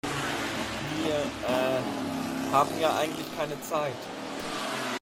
Wir, äh, haben ja eigentlich keine Zeit.